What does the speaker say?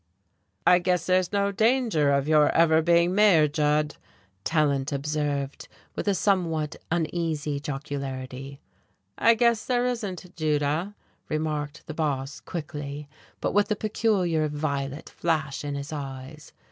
"I guess there's no danger of your ever being mayor, Judd," Tallant observed, with a somewhat uneasy jocularity. "I guess there isn't, Judah," replied the boss, quickly, but with a peculiar violet flash in his eyes.